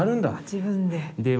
自分で。